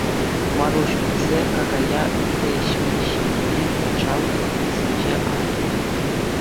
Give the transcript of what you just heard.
Маруҫ, эсӗ какая, ытти ӗҫме-ҫимене патшалӑх лавккисенче ан туян.